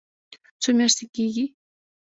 څو میاشتې کیږي؟